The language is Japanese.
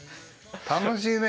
楽しいね。